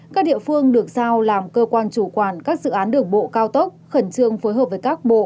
các địa phương được giao làm cơ quan chủ quản các dự án đường bộ cao tốc khẩn trương phối hợp với các bộ